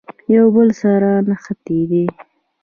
یو بل سره نښتي دي.